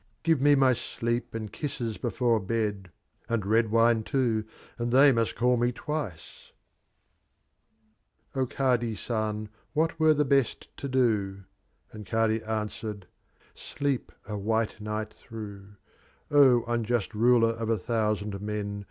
Give Me my Sleep and Kisses before Bed — And red Wine, too, and They must call Me l^ice J 10 XV. u O Kadi san, what ww* the best to do ?'* And Kadi answered, "Sleep a white night through, O Unjust RufeT Of a Thousand Men.